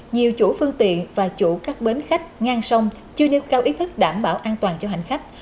nhiều chủ phương tiện và chủ các bến khách ngang sông chưa nêu cao ý thức đảm bảo an toàn cho hành khách